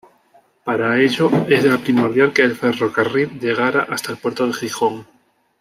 Para ello era primordial que el ferrocarril llegara hasta el puerto de Gijón.